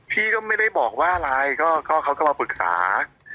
พี่ก็ไม่ได้บอกว่าอะไรก็เขาก็มาปรึกษา